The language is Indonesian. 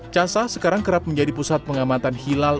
casa sekarang kerap menjadi pusat pengamatan hilal